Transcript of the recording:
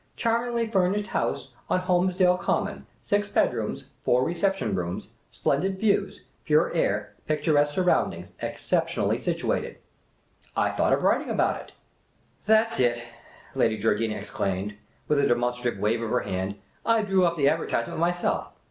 "' Charmingly furnished house on Holmesdale Common ; six bedrooms, four reception rooms ; splendid views ; pure air; picturesque surroundings; exceptionally situated.' I thought of writing about it." " That 's it !" Lady Georgina exclaimed, with a demon strative wave of her hand. " I drew up the advertisement myself.